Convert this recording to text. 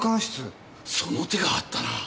その手があったな。